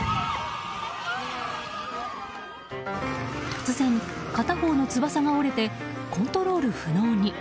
突然、片方の翼が折れてコントロール不能に。